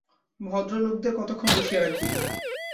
ভদ্রলোকদের কতক্ষণ বসিয়ে রাখবি?